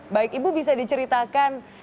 baik ibu bisa diceritakan